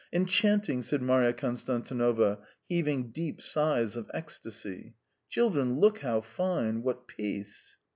"Enchanting!" said Marya Konstantinovna, heaving deep sighs of ecstasy. "Children, look how fine! What peace!"